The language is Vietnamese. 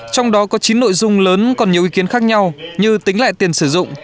trong đó có chín nội dung lớn còn nhiều ý kiến khác nhau như tính lại tiền sử dụng